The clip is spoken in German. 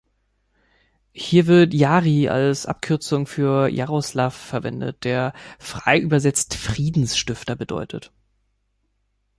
Hier wird Jari als Abkürzung für Jaroslav verwendet, der frei übersetzt Friedensstifter bedeutet.